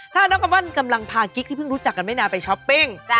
ถ้าน้องอาบอนกำลังพากิ๊กที่เพิ่งรู้จักกันไม่นานไปช้อปปิ้ง